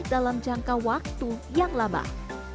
dalam jangka waktu yang laba